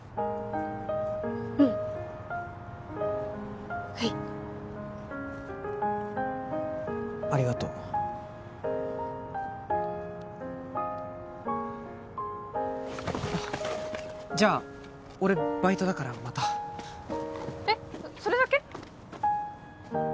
うんはいありがとうじゃあ俺バイトだからまたえっそれだけ？